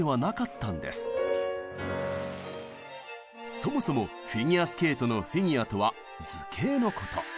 そもそもフィギュアスケートの「フィギュア」とは図形のこと。